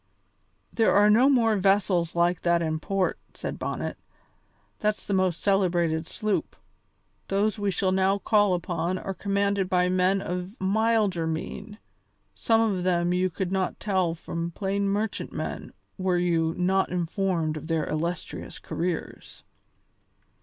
"There are no more vessels like that in port," said Bonnet; "that's the most celebrated sloop. Those we shall now call upon are commanded by men of milder mien; some of them you could not tell from plain merchantmen were you not informed of their illustrious careers."